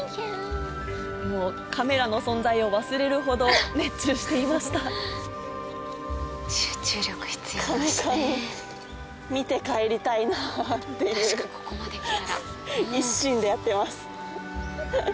もうカメラの存在を忘れるほど熱中していましたっていう一心でやってます。